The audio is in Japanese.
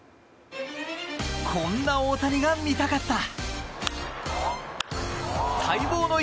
こんな大谷が見たかった！